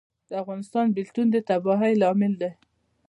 د افغانستان بیلتون د تباهۍ لامل دی